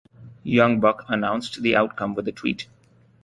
Young Buck announced the outcome with a Tweet.